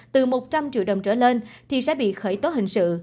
từ một trăm linh triệu đồng trở lên thì sẽ bị khởi tố hình sự